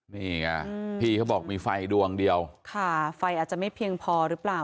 นี่ไงพี่เขาบอกมีไฟดวงเดียวค่ะไฟอาจจะไม่เพียงพอหรือเปล่า